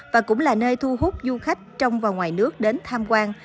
và cũng là nơi thu hút du khách trong và ngoài nước đến tham quan